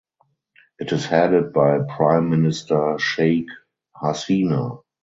It is headed by Prime Minister Sheikh Hasina.